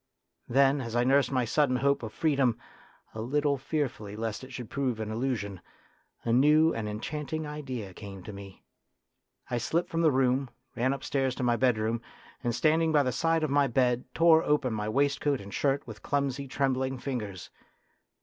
Then, as I nursed my sudden hope of freedom, a little fearfully lest it should prove an illusion, a new and enchant ing idea came to me. I slipped from the room, ran upstairs to my bedroom and, stand ing by the side of my bed, tore open my waistcoat and shirt with clumsy, trembling fingers.